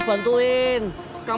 o ai kitan